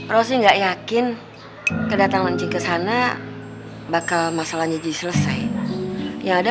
rosi nggak yakin kedatangan cik kesana bakal masalahnya diselesai yang ada